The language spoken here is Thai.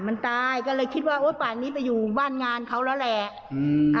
มันตายก็เลยคิดว่าโอ้ยป่านนี้ไปอยู่บ้านงานเขาแล้วแหละ